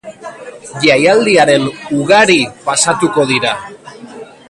Jaialdiaren ugari pasatuko dira.